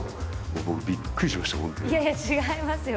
いやいや違いますよ